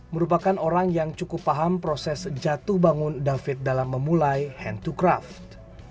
merupakan orang yang cukup paham proses jatuh bangun david dalam memulai hand to craft